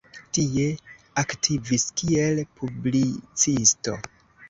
Tie aktivis kiel publicisto.